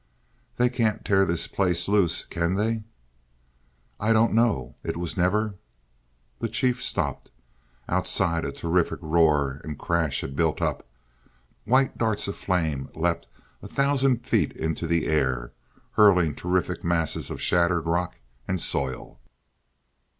"They can't tear this place loose, can they?" "I don't know it was never " The Chief stopped. Outside a terrific roar and crash had built up. White darts of flame leapt a thousand feet into the air, hurling terrific masses of shattered rock and soil.